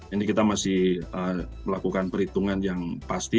ini kita masih melakukan perhitungan yang pasti